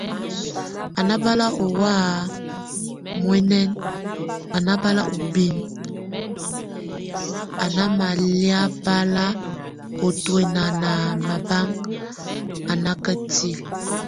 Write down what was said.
A nábal óhɔ muɛŋɛŋ, a nábal úbin, a ná malía bal otuɛna na mabaŋ a nákatile.